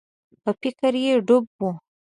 په فکر کي ډوب و.